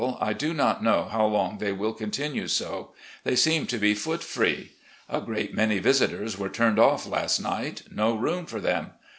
I do not know how long they mil continue so. They seem to be foot free. A great many visitors were turned off last night — no room for them